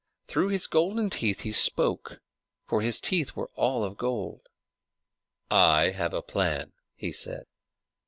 Through his golden teeth he spoke, for his teeth were all of gold. "I have a plan," he said.